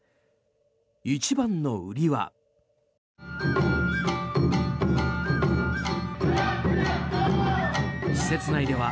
一番の売りは。